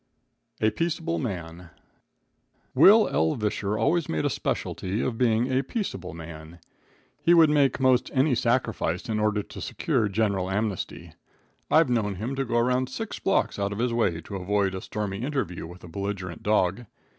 A Peaceable Man. Will L. Visscher always made a specialty of being a peaceable man. He would make most any sacrifice in order to secure general amnesty. I've known him to go around six blocks out of his way, to avoid a stormy interview with a belligerant dog.